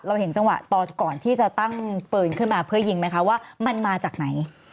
เห็นจังหวะตอนก่อนที่จะตั้งปืนขึ้นมาเพื่อยิงไหมคะว่ามันมาจากไหน